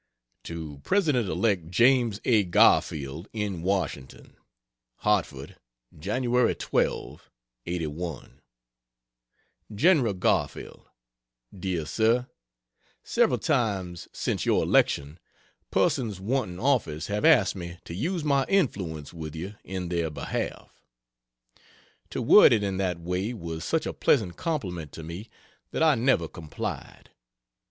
To President elect James A. Garfield, in Washington: HARTFORD, Jany. 12, '81. GEN. GARFIELD DEAR SIR, Several times since your election persons wanting office have asked me "to use my influence" with you in their behalf. To word it in that way was such a pleasant compliment to me that I never complied.